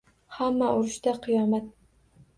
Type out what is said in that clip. Hamma urushda, qiyomat!